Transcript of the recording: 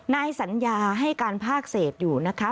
นายสัญญาให้การภาคเศษอยู่นะคะ